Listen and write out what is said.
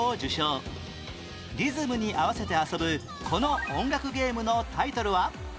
リズムに合わせて遊ぶこの音楽ゲームのタイトルは？